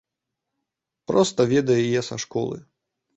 Проста ведае яе са школы.